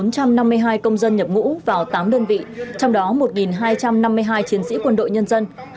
bốn trăm năm mươi hai công dân nhập ngũ vào tám đơn vị trong đó một hai trăm năm mươi hai chiến sĩ quân đội nhân dân